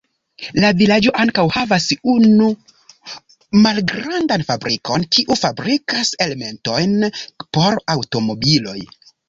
La vilaĝo ankaŭ havas unu malgrandan fabrikon, kiu fabrikas elementojn por aŭtomobiloj.